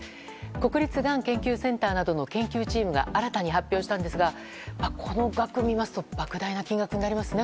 国立がん研究センターなどの研究チームが新たに発表したんですがこの額を見ますと莫大な金額になりますね。